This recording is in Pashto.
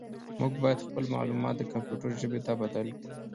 موږ باید خپل معلومات د کمپیوټر ژبې ته بدل کړو.